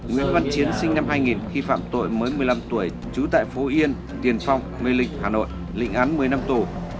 nguyễn văn chiến sinh năm hai nghìn khi phạm tội mới một mươi năm tuổi trú tại phú yên tiền phong mê lịch hà nội lịnh án một mươi năm tù